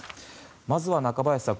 まずは中林さん